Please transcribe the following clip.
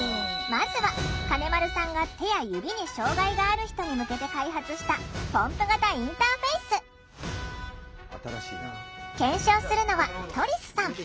まずは金丸さんが手や指に障害がある人に向けて開発した検証するのはトリスさん。